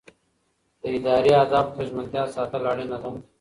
د ادارې اهدافو ته ژمنتیا ساتل اړینه ده.